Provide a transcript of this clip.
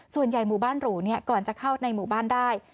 ส่วนใหญ่หมู่บ้านหรูก่อนจะเข้าในหมู่บ้านได้